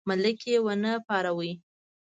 ملک یې ونه پاروي.